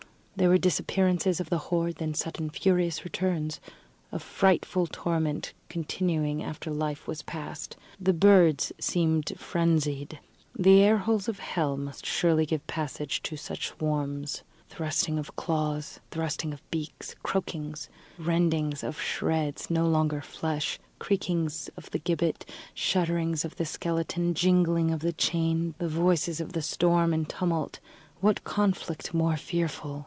There were disappearances of the horde, then sudden furious returns a frightful torment continuing after life was past. The birds seemed frenzied. The air holes of hell must surely give passage to such swarms. Thrusting of claws, thrusting of beaks, croakings, rendings of shreds no longer flesh, creakings of the gibbet, shudderings of the skeleton, jingling of the chain, the voices of the storm and tumult what conflict more fearful?